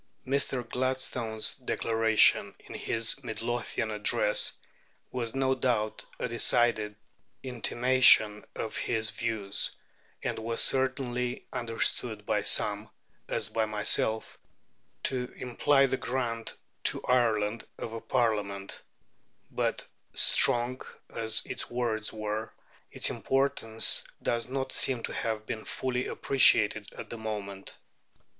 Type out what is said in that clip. Mr. Gladstone's declaration in his Midlothian address was no doubt a decided intimation of his views, and was certainly understood by some (as by myself) to imply the grant to Ireland of a Parliament; but, strong as its words were, its importance does not seem to have been fully appreciated at the moment.